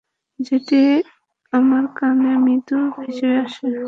যেটি আমার কানে মৃদু ভেসে আসে।